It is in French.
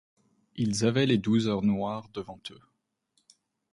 Ils avaient les douze heures noires devant eux.